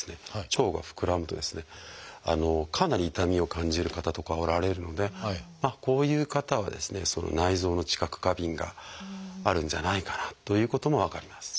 腸が膨らむとですねかなり痛みを感じる方とかはおられるのでこういう方はですね内臓の知覚過敏があるんじゃないかなということも分かります。